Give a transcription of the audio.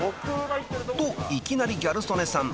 ［といきなりギャル曽根さん］